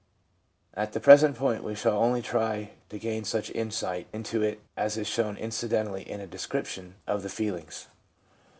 At the present point we shall only try to gain such insight into it as is shown incidentally in a description of the feelings.